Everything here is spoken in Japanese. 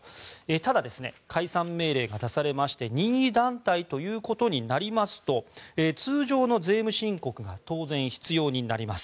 ただ、解散命令が出されまして任意団体となりますと通常の税務申告が当然、必要になります。